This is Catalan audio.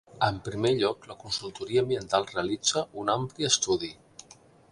En primer lloc, la consultoria ambiental realitza una ampli estudi